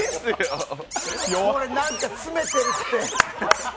これ、何か詰めてるって。